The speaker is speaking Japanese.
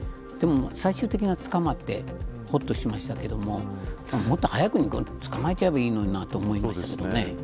最終的には捕まってほっとしましたけどももっと早くに捕まえちゃえばいいのなっと思いましたよね。